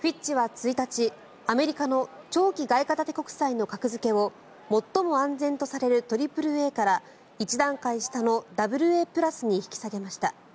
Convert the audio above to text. フィッチは１日アメリカの長期外貨建て国債の格付けを最も安全とされるＡＡＡから１段階下のＡＡ＋に引き下げました。